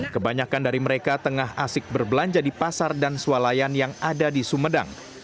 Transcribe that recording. kebanyakan dari mereka tengah asik berbelanja di pasar dan sualayan yang ada di sumedang